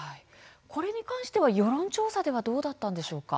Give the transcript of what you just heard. これに関しては世論調査ではどうだったんでしょうか。